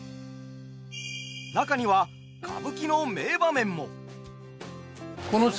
中には歌舞伎の名場面も。